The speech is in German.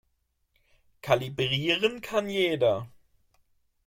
Kalibrieren kann jeder.